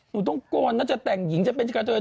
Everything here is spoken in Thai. นุ่งต้องกรนน่ะจะแต่งหญิงจะเป็นชาติโดยอย่างน้อย